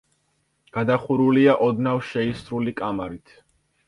გადახურულია ოდნავ შეისრული კამარით.